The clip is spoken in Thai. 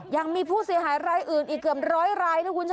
ยังมีผู้เสียหายรายอื่นอีกเกือบร้อยรายนะคุณชนะ